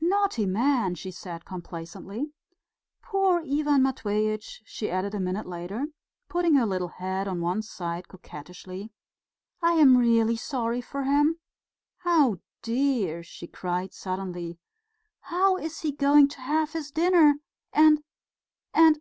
"Naughty man!" she said complacently. "Poor Ivan Matveitch," she added a minute later, putting her little head on one side coquettishly. "I am really sorry for him. Oh, dear!" she cried suddenly, "how is he going to have his dinner ... and ... and